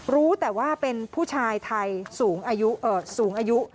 รู้แต่ว่าเป็นผู้ชายไทยสูงอายุ